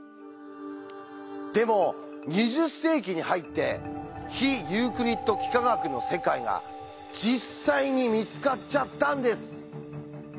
でも２０世紀に入って非ユークリッド幾何学の世界が実際に見つかっちゃったんです。